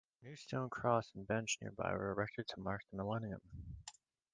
A new stone cross and bench nearby were erected to mark the Millennium.